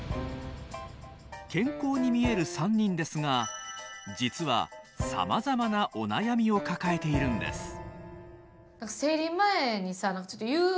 健康に見える３人ですが実はさまざまなお悩みを抱えているんです。